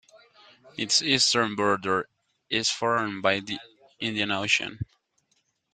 Its eastern border is formed by the Indian Ocean.